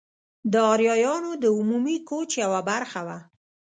د آریایانو د عمومي کوچ یوه برخه وه.